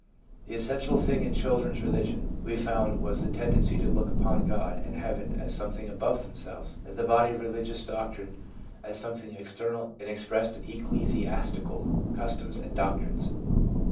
The essential thing in children's religion, we found, was the tendency to look upon God and heaven as something above themselves, and the body of religious doctrine as something external and expressed in ecclesiastical cus toms and doctrines.